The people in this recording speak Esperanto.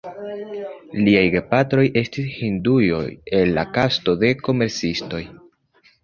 Liaj gepatroj estis hinduoj el la kasto de komercistoj.